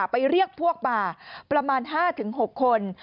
ไปเรียกพวกมาประมาณ๕๖คน